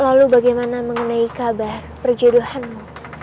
lalu bagaimana mengenai kabar perjuduhanmu